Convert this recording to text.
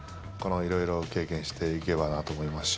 いろいろ経験していけばなと思いますし。